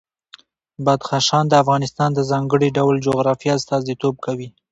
بدخشان د افغانستان د ځانګړي ډول جغرافیه استازیتوب کوي.